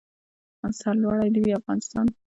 سر لوړی د وي افغانستان.